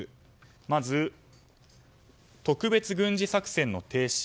まず、特別軍事作戦の停止。